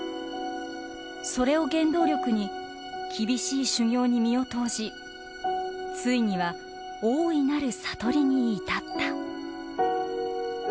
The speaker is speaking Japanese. それを原動力に厳しい修行に身を投じついには大いなる悟りに至った。